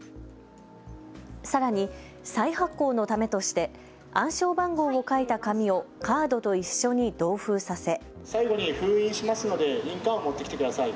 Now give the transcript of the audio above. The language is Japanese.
さらに、再発行のためとして暗証番号を書いた紙をカードと一緒に同封させ。